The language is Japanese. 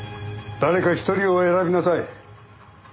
誰か１人を選びなさい。